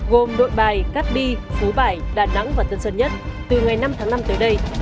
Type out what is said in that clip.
gồm nội bài cát bi phú bài đà nẵng và tân sơn nhất từ ngày năm tháng năm tới đây